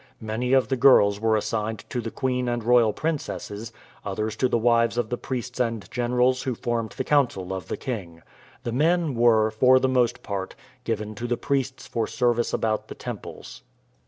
Many of the girls were assigned to the queen and royal princesses, others to the wives of the priests and generals who formed the council of the king. The men were, for the most part, given to the priests for service about the temples.